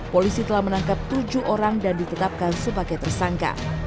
polisi telah menangkap tujuh orang dan ditetapkan sebagai tersangka